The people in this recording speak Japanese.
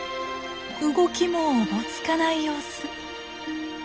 動きもおぼつかない様子。